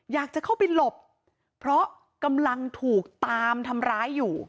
อยากจะเข้าไปหลบเพราะกำลังถูกตามทำร้ายอยู่